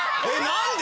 何で？